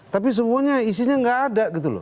tapi semuanya isinya nggak ada gitu loh